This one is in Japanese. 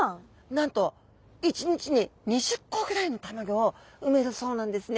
なんと１日に２０個ぐらいのたまギョを産めるそうなんですね。